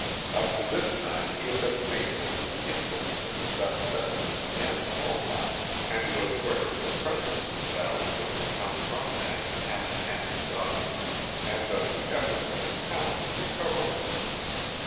Up to this time he had been faithful to the interests of the Dutch settlers and the Mo hawks, and was aware of the presence in the valley of Count Frontenac's half caste daughter, and of the efforts of the count to recover her.